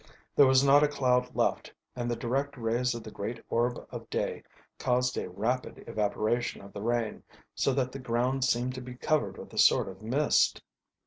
There was not a cloud left, and the direct rays of the great orb of day caused a rapid evaporation of the rain, so that the ground seemed to be covered with a sort of mist.